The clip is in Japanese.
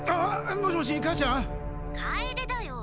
もしもし母ちゃん⁉楓だよ。